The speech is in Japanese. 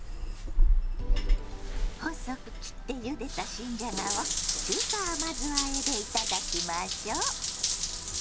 細く切ってゆでた新じゃがを中華甘酢あえでいただきましょ。